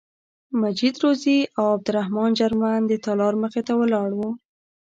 مجید روزي او عبدالرحمن جرمن د تالار مخې ته ولاړ وو.